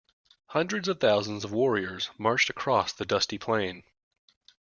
Hundreds of thousands of warriors marched across the dusty plain.